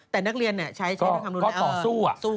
แต่นักเรียนใช้คำรุนแรงสู้กันก็ต่อสู้